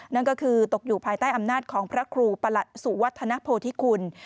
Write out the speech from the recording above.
นั่นก็คือตกอยู่ภายใต้อำนาจของพระครูประหลัดสุวัฒนโพธิคุณ